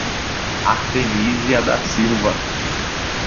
Artenizia da Silva